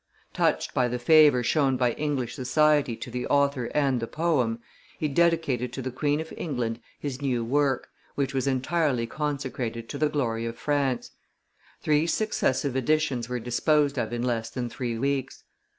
Touched by the favor shown by English society to the author and the poem, he dedicated to the Queen of England his new work, which was entirely consecrated to the glory of France; three successive editions were disposed of in less than three weeks.